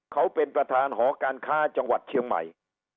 เขาเป็นประธานหอการค้าจังหวัดเชียงใหม่